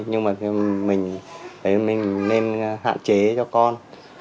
nhưng mà mình thấy mình nên hạn chế cho con